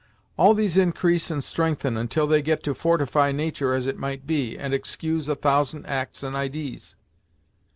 All these increase and strengthen, until they get to fortify natur', as it might be, and excuse a thousand acts and idees.